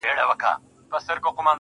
چي د ويښتانو په سرونو به يې مار وتړی